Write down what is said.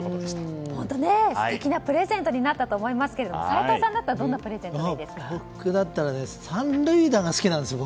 本当、素敵なプレゼントになったと思いますが齋藤さんだったらどんなプレゼントがいいですか？